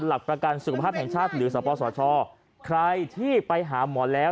หลักประกันสุขภาพแห่งชาติหรือสปสชใครที่ไปหาหมอแล้ว